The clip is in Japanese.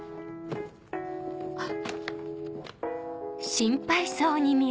あっ。